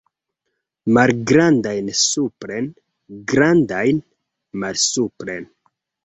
Malgrandajn supren, grandajn malsupren.